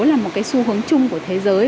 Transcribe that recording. là một cái xu hướng chung của thế giới